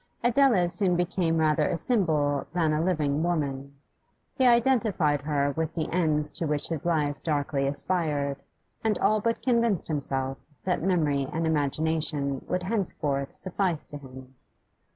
Adela soon became rather a symbol than a living woman; he identified her with the ends to which his life darkly aspired, and all but convinced himself that memory and imagination would henceforth suffice to him.